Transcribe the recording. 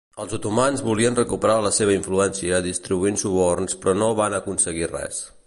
Els otomans volien recuperar la seva influència distribuint suborns però no van aconseguir res.